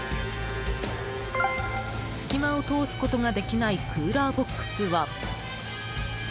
隙間を通すことができないクーラーボックスは。